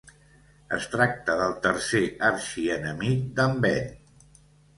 Es tracta del tercer arxienemic d'en Ben.